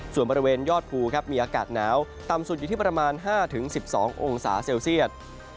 ส่วนบริเวณยอดภูครับมีอากาศหนาวต่ำสุดอยู่ที่ประมาณ๕๑๒องศาเซลเซียต